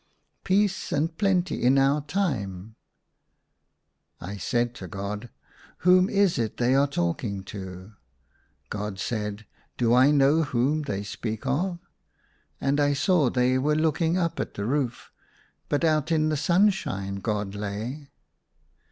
'* Peace and plenty in our time" I said to God, " Whom is it they are talking to ?" God said, " Do / know whom they speak of ?" And I saw they were looking up at the roof; but out in the sunshine, God lay.